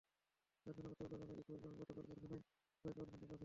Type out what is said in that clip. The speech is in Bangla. কারখানা কর্তৃপক্ষ জানায়, বিক্ষোভের কারণে গতকাল কারখানায় প্রায় পাঁচ ঘণ্টা কাজ হয়নি।